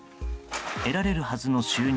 得られるはずの収入